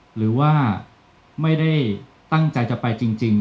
หรือว่าไม่ได้ตั้งใจจะไปจริง